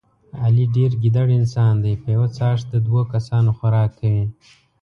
علي ډېر ګېډور انسان دی په یوه څاښت د دوه کسانو خوراک کوي.